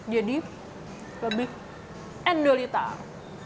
jadi lebih endolitar